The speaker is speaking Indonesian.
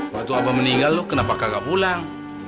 waktu abang meninggal lu kenapa kagak pulang